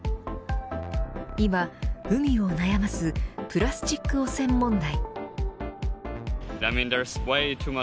今、海を悩ますプラスチック汚染問題。